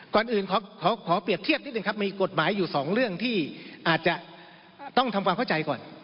ก่อนอื่นขอเปรียบเทียบนิดหนึ่งครับมีกฎหมายอยู่สองเรื่องที่อาจจะต้องทำความเข้าใจก่อน